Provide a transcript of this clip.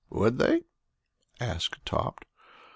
"Would they?" asked Tot.